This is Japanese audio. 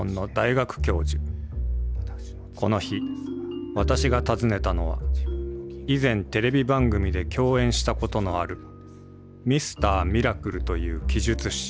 この日、私が訪ねたのは、以前テレビ番組で共演したことのあるミスター・ミラクルという奇術師。